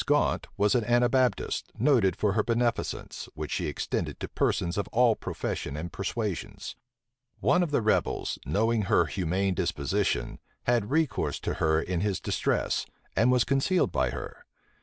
Gaunt was an Anabaptist, noted for her beneficence, which she extended to persons of all profession and persuasions. One of the rebels, knowing her humane disposition, had recourse to her in his distress, and was concealed by her.